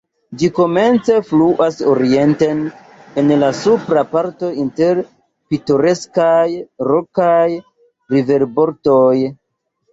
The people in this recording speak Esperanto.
Ĝi komence fluas orienten, en la supra parto inter pitoreskaj, rokaj riverbordoj.